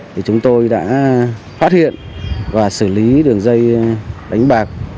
thì chúng tôi đã phát hiện và xử lý đường dây đánh bạc